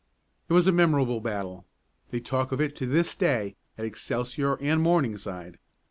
It was a memorable battle. They talk of it to this day at Excelsior and Morningside.